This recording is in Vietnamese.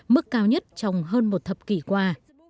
mức cao nhất trong hơn một thập kỷ qua